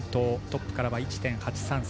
トップからは１．８３３の差。